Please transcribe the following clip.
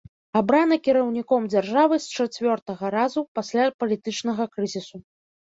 Абраны кіраўніком дзяржавы з чацвёртага разу пасля палітычнага крызісу.